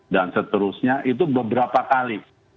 dan seterusnya itu beberapa kali